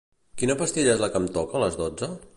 Quina pastilla és la que em toca a les dotze?